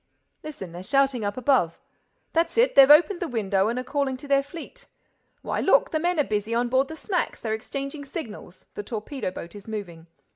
"Listen—they're shouting up above. That's it, they've opened the window and are calling to their fleet.—Why, look, the men are busy on board the smacks—they're exchanging signals.—The torpedo boat is moving.